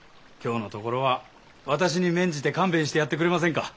今日のところは私に免じて勘弁してやってくれませんか？